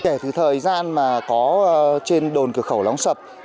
kể từ thời gian mà có trên đồn cửa khẩu lóng sập